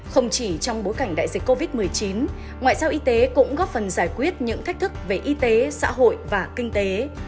không chỉ trong bối cảnh đại dịch covid một mươi chín ngoại giao y tế cũng góp phần giải quyết những thách thức về y tế xã hội và kinh tế